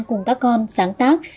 cùng các con sáng tác